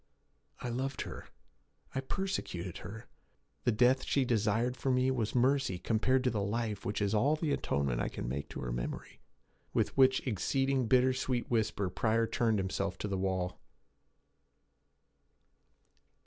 'I loved her; I persecuted her! The death she desired for me was mercy compared to the life which is all the atonement I can make to her memory.' With which exceeding bitter whisper Pryor turned himself to the wall.